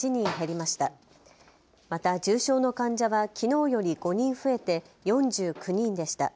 また重症の患者はきのうより５人増えて４９人でした。